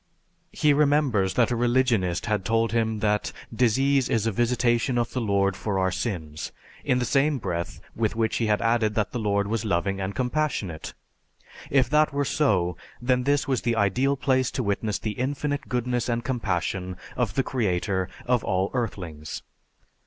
He remembers that a religionist had told him that disease is a visitation of the Lord for our sins, in the same breath with which he had added that the Lord was loving and compassionate. If that were so, then this was the ideal place to witness the infinite goodness and compassion of the Creator of all earthlings.